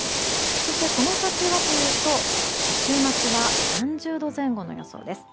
そして、この先はというと週末は３０度前後の予想です。